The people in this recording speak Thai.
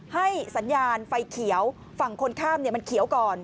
ให้สัญญาณไฟเขียวฝั่งคนข้ามมันเขียวก่อน